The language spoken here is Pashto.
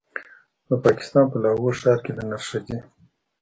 د پاکستان په لاهور ښار کې د نرښځې